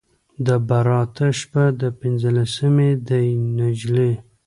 د براته شپه ده پنځلسی دی نجلۍ